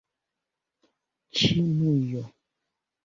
ĉinujo